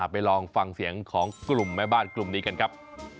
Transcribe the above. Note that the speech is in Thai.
ไปลองฟังเสียงของกลุ่มแม่บ้านกลุ่มนี้กันครับ